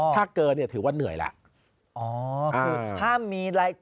ถ้าเกินเนี่ยถือว่าเหนื่อยแล้ว